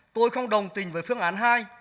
tôi không đồng tình với phương án hai